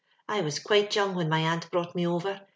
I was quite young when my aunt brought me over.